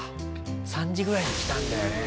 ３時ぐらいに来たんだよね。